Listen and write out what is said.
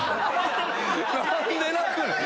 何で泣くねん？